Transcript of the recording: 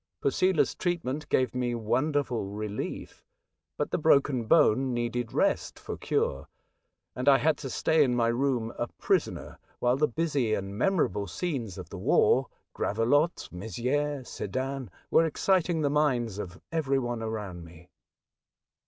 Posela's treatment gave me wonderful relief; but the broken bone needed rest for cure, and I had to stay in my room a prisoner while the busy and memorable scenes of the war — Gravelotte, Mezieres, Sedan — were exciting the minds of every one around me.